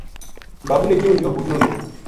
بابو نے کہیو یوہ بوجنو تھو